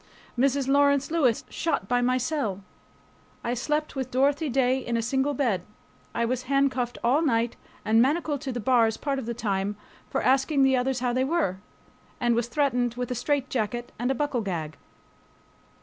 Mrs. Lawrence Lewis shot past my cell. I slept with Dorothy Day in a single bed. I was handcuffed all night and manacled to the bars part of the time for asking the others how they were, and was threatened with a straitjacket and a buckle gag.